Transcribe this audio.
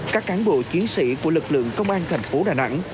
các cán bộ chiến sĩ của lực lượng công an thành phố đà nẵng